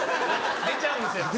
出ちゃうんですよ。